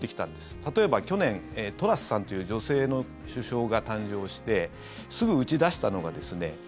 例えば去年、トラスさんという女性の首相が誕生してすぐ打ち出したのがですね